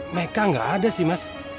mereka nggak ada sih mas